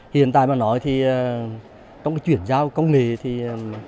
hiện tại mà nói thì trong cái chuyển giao công nghệ thì